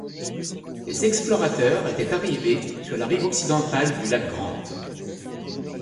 Les explorateurs étaient arrivés sur la rive occidentale du lac Grant.